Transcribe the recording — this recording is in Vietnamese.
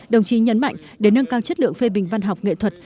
đồng chí nhấn mạnh để nâng cao chất lượng phê bình văn học nghệ thuật